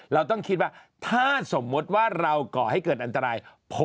เราต้องคิดว่าถ้าสมมุติว่าเราก่อให้เกิดอันตราย